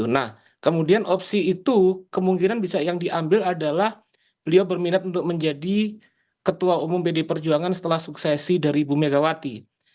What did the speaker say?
nah kemudian opsi itu kemungkinan bisa yang diambil adalah beliau berminat untuk menjadi ketua umum pd perjuangan setelah suksesi dari ibu megawati